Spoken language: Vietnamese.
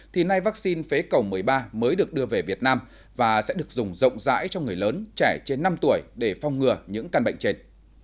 thì nay vaccine phế cầu một mươi ba mới được đưa về việt nam và sẽ được dùng rộng rãi cho người lớn trẻ trên năm tuổi để phong ngừa những căn bệnh trên